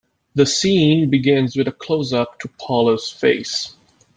The scene begins with a closeup to Paula's face.